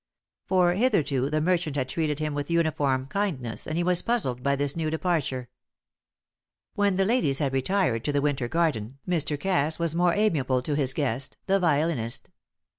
For hitherto the merchant had treated him with uniform kindness, and he was puzzled by this new departure. When the ladies had retired to the winter garden Mr. Cass was more amiable to his guest, the violinist.